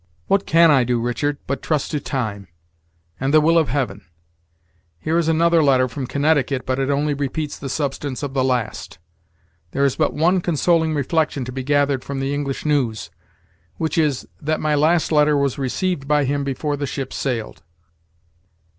"What can I do, Richard, but trust to time, and the will of Heaven? Here is another letter from Connecticut, but it only repeats the substance of the last. There is but one consoling reflection to be gathered from the English news, which is, that my last letter was received by him before the ship sailed."